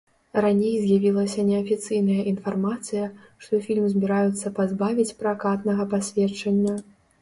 Раней з'явілася неафіцыйная інфармацыя, што фільм збіраюцца пазбавіць пракатнага пасведчання.